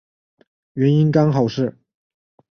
原因刚好是